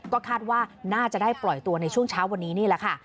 ก็คาดว่าน่าจะได้ปล่อยตัวในช่วงเช้าวันนี้นี่แหละค่ะ